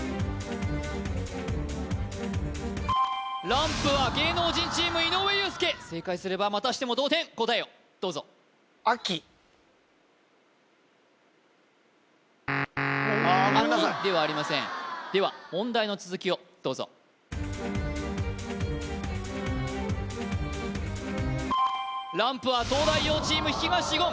ランプは芸能人チーム井上裕介正解すればまたしても同点答えをどうぞ秋ではありませんでは問題の続きをどうぞランプは東大王チーム東言